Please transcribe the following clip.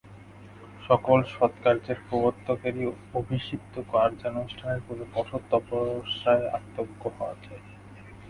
সকল সৎকার্যের প্রবর্তকেরই অভীপ্সিত কার্যানুষ্ঠানের পূর্বে কঠোর তপস্যাসহায়ে আত্মজ্ঞ হওয়া চাই।